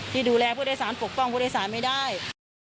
ก็ดูแลผู้โดยสารปกติผลว่าไม่ได้